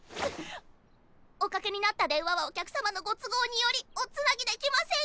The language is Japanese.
おかけになった電話はお客様のご都合によりおつなぎできません！